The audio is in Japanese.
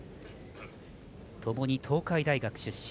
ともに東海大学出身。